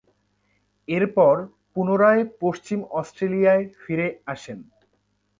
এরপর পুনরায় পশ্চিম অস্ট্রেলিয়ায় ফিরে আসেন।